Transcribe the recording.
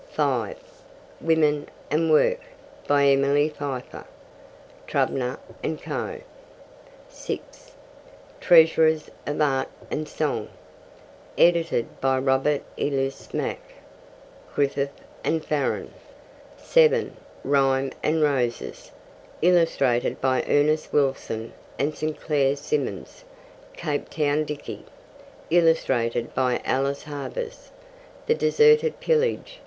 (5) Women and Work. By Emily Pfeiffer. (Trubner and Co.) (6) Treasures of Art and Song. Edited by Robert Ellice Mack. (Griffith and Farren.) (7) Rhymes and Roses. Illustrated by Ernest Wilson and St. Clair Simons. Cape Town Dicky. Illustrated by Alice Havers. The Deserted Pillage.